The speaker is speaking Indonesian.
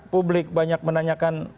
publik banyak menanyakan